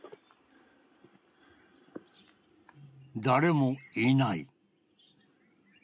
誰もいない